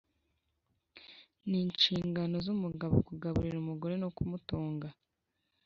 ni ishingano zumugabo kugaburira umugore no kumutunga